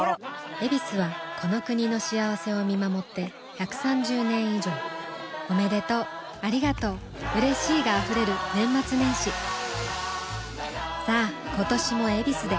「ヱビス」はこの国の幸せを見守って１３０年以上おめでとうありがとううれしいが溢れる年末年始さあ今年も「ヱビス」で